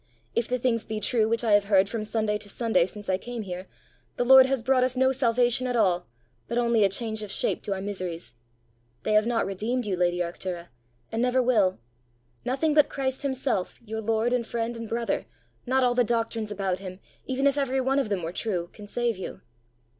If the things be true which I have heard from Sunday to Sunday since I came here, the Lord has brought us no salvation at all, but only a change of shape to our miseries. They have not redeemed you, lady Arctura, and never will. Nothing but Christ himself, your lord and friend and brother, not all the doctrines about him, even if every one of them were true, can save you.